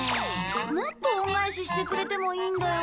もっと恩返ししてくれてもいいんだよ。